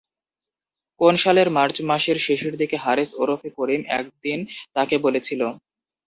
কোন সালের মার্চ মাসের শেষের দিকে হারিস ওরফে করিম একদিন তাকে বলেছিল?